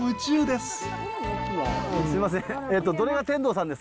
すいません。